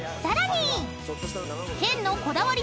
さらに］